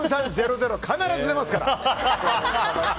４３００必ず出ますから！